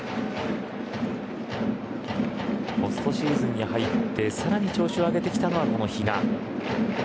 ポストシーズンに入ってさらに調子を上げてきたのがこの比嘉。